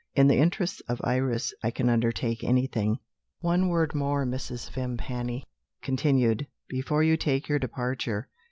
"In the interests of Iris, I can undertake anything." "One word more," Mrs. Vimpany continued, "before you take your departure.